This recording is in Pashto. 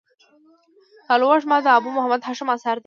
سالو وږمه د ابو محمد هاشم اثر دﺉ.